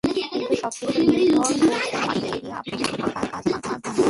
কিন্তু সবকিছু নির্ভর করছে মাঠে গিয়ে আপনি সেটাকে কীভাবে কাজে লাগান।